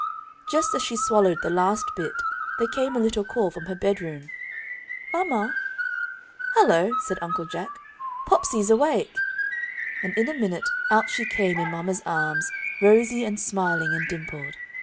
Just as she swallowed the last bit there came a little call from her bedroom: "Mama?" "Hello!" said Uncle Jack, "Popsey's awake!" And in a minute, out she came in mama's arms, rosy, and smiling, and dimpled.